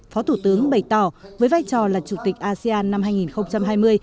phó thủ tướng bày tỏ với vai trò là chủ tịch asean năm hai nghìn hai mươi